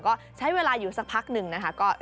ก็ใช้เวลาอยู่สักพักหนึ่งนะคะ